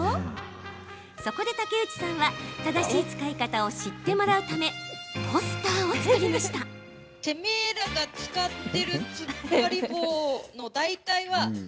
そこで竹内さんは正しい使い方を知ってもらうためポスターを作りました。